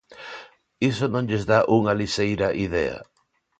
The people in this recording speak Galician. ¿Iso non lles dá unha lixeira idea?